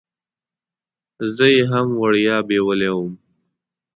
زه یې هم وړیا بیولې وم.